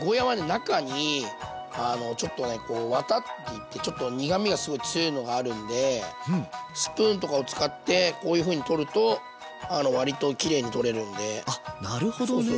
中にちょっとねワタっていってちょっと苦みがすごい強いのがあるんでスプーンとかを使ってこういうふうに取ると割ときれいに取れるんであなるほどね。